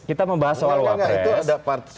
kita membahas soal wapres